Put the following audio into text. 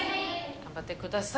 頑張ってください。